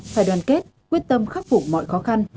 phải đoàn kết quyết tâm khắc phục mọi khó khăn